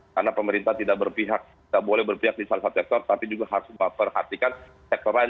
karena pemerintah tidak boleh berpihak di salah satu sektor tapi juga harus memperhatikan sektor lain